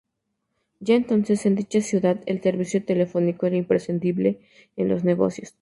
Ya entonces, en dicha ciudad, el servicio telefónico era imprescindible en los negocios.